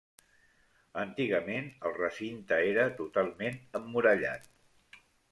Antigament el recinte era totalment emmurallat.